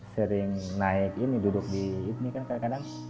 sering naik ini duduk di ini kan kadang kadang